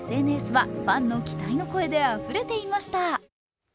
ＳＮＳはファンの期待の声であふれていました。